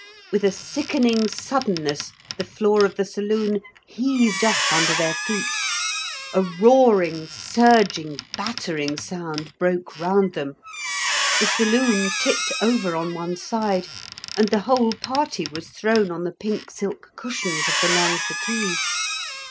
With a sickening suddenness the floor of the saloon heaved up under their feet, a roaring surging battering sound broke round them; the saloon tipped over on one side and the whole party was thrown on the pink silk cushions of the long settee.